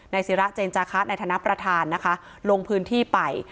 ศิราเจนจาคะในฐานะประธานนะคะลงพื้นที่ไป